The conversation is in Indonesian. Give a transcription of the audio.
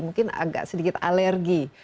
mungkin agak sedikit alergi